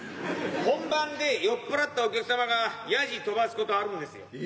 本番で酔っ払ったお客様がヤジ飛ばすことあるんですよ。